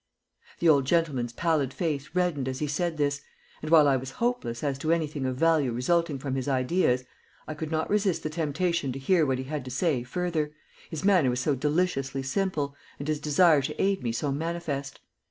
The old gentleman's pallid face reddened as he said this, and while I was hopeless as to anything of value resulting from his ideas, I could not resist the temptation to hear what he had to say further, his manner was so deliciously simple, and his desire to aid me so manifest.